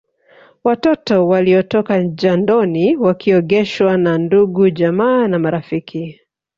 Watoto waliotoka jandoni wakiogeshwa na ndugujamaa na marafiki